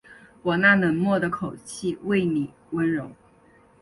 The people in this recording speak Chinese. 我那冷漠的口气为妳温柔